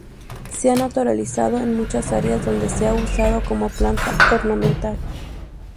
Se ha naturalizado en muchas áreas donde se ha usado como planta ornamental.